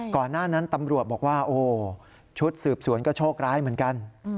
ก่อนหน้านั้นตำรวจบอกว่าโอ้โหชุดสืบสวนก็โชคร้ายเหมือนกัน